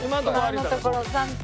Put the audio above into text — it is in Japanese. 今のところ暫定